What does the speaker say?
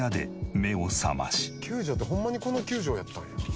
９畳ってホンマにこの９畳やったんや。